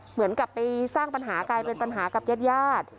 เหมือนกับไปสร้างปัญหากลายเป็นปัญหากับญาติญาติ